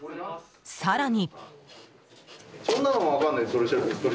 更に。